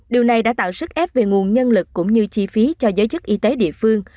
điều này đã tạo sức ép về nguồn nhân lực cũng như chi phí cho giới chức y tế địa phương